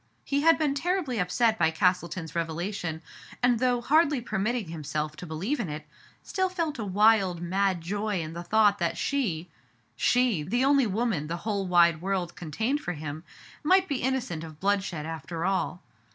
He had been terribly upset by Castleton*s revelation, and though hardly permitting himself to believe in it, still felt a wild,«mad joy in the thought that she — she^ the only woman the whole wide world con tained for him — might be innocent of bloodshed after all.